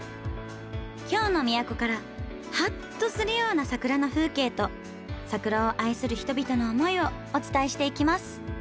京の都からハッとするような桜の風景と桜を愛する人々の思いをお伝えしていきます。